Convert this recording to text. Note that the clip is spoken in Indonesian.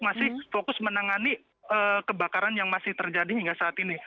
masih fokus menangani kebakaran yang masih terjadi hingga saat ini